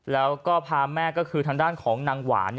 แล้วก็พาแม่ก็คือทางด้านของนางหวาน